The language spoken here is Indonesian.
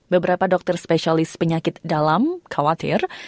beberapa dokter spesialis penyakit dalam khawatir